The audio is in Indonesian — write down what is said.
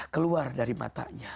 keluar dari matanya